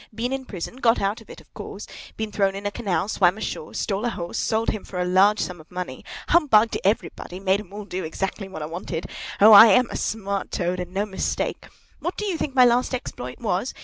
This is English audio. Been in prison—got out of it, of course! Been thrown into a canal—swam ashore! Stole a horse—sold him for a large sum of money! Humbugged everybody—made 'em all do exactly what I wanted! Oh, I am a smart Toad, and no mistake! What do you think my last exploit was?